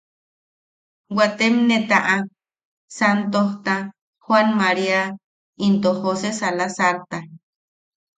Waatem ne taʼa, Santojta, Joan Maríata into Jose Salazarta.